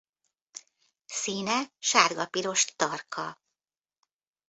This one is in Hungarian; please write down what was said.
Színe sárga-piros-tarka.